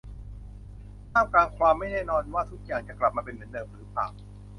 ท่ามกลางความไม่แน่นอนว่าทุกอย่างจะกลับมาเป็นเหมือนเดิมหรือเปล่า